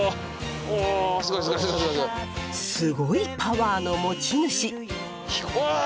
すごいパワーの持ち主！